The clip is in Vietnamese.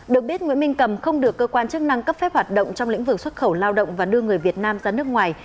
được biết nguyễn minh cầm không được cơ quan chức năng cấp phép hoạt động trong lĩnh vực xuất khẩu lao động và đưa người việt nam ra nước ngoài